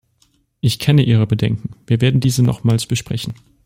Ich kenne Ihre Bedenken, wir werden diese nochmals besprechen.